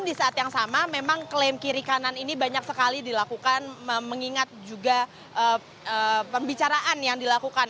di saat yang sama memang klaim kiri kanan ini banyak sekali dilakukan mengingat juga pembicaraan yang dilakukan